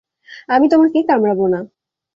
আমি তোমাকে কামড়াবো না।